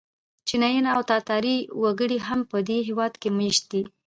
چینایي او تاتاري وګړي هم په دې هېواد کې مېشت دي.